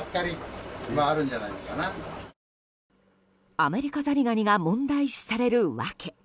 アメリカザリガニが問題視されるわけ。